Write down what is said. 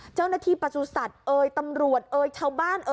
เจ้าหน้าที่ประชุศัตริย์ตำรวจชาวบ้าน